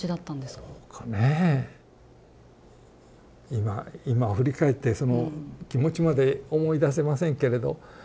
今今振り返ってその気持ちまで思い出せませんけれど。